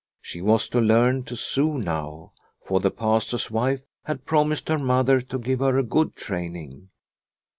She was to learn to sew now, for the Pastor's wife had promised her mother to give her a good training.